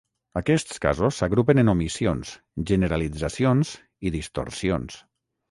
Aquests casos s'agrupen en omissions, generalitzacions i distorsions.